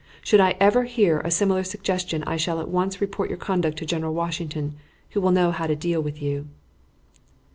Should I ever hear a similar suggestion I shall at once report your conduct to General Washington, who will know how to deal with you."